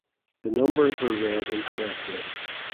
The numbers were read incorrectly.